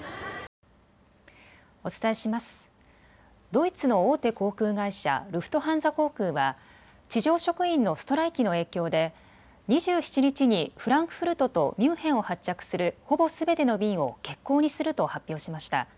ドイツの大手航空会社、ルフトハンザ航空は地上職員のストライキの影響で２７日にフランクフルトとミュンヘンを発着するほぼすべての便を欠航にすると発表しました。